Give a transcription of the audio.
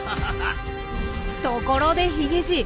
ところでヒゲじい。